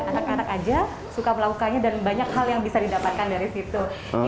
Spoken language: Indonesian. anak anak aja suka melakukannya dan banyak hal yang bisa didapatkan dari situ